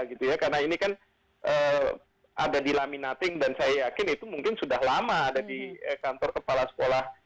karena ini kan ada di laminating dan saya yakin itu mungkin sudah lama ada di kantor kepala sekolah